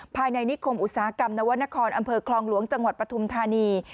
ภายในนิคมอุตสาหกรรมนวรรณครอำเภอคลองหลวงจังหวัดปฐุมธานี